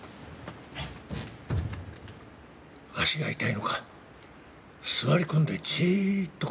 足が痛いのか座り込んでじーっと